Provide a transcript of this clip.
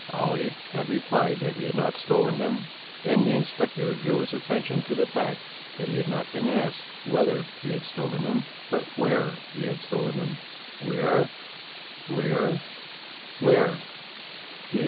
Olle had replied that he had not stolen them; then the inspector drew his attention to the fact that he had not been asked whether he had stolen them, but where he had stolen them? Where? where?